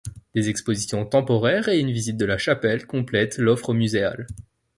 Des exposition temporaires et une visite de la chapelle complètent l'offre muséale.